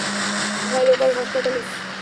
হ্যাঁ, লোকাল হাসপাতালেই।